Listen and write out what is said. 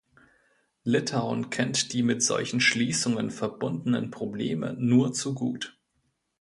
Litauen kennt die mit solchen Schließungen verbundenen Probleme nur zu gut.